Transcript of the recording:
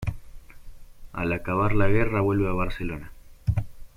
Al acabar la guerra vuelve a Barcelona.